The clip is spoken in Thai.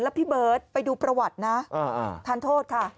แล้วพี่เบิร์ตไปดูประวัตินะทานโทษค่ะ